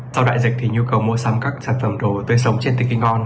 sau đại dịch nhu cầu mua sắm các sản phẩm đồ tươi sống trên tiki ngon